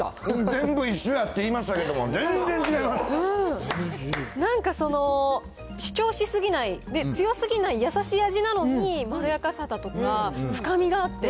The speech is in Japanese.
全部一緒やって言いましたけなんかその、主張しすぎない、強すぎない優しい味なのに、まろやかさだとか、深みがあって。